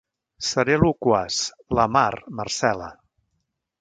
Seré loquaç: La mar, Marcel·la!